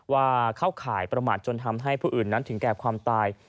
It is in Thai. ว่าเข้าข่ายประมาทจนทำให้ผู้อื่นนั้นถึงแก่ความตาย